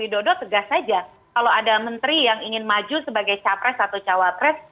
dan jokowi dodo tegas saja kalau ada menteri yang ingin maju sebagai capres atau cawapres